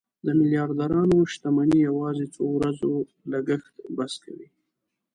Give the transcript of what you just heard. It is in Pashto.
د میلیاردرانو شتمني یوازې څو ورځو لګښت بس کوي.